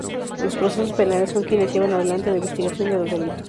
En los procesos penales, son quienes llevan adelante la investigación de los delitos.